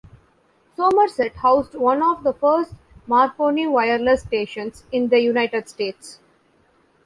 Somerset housed one of the first Marconi Wireless Stations in the United States.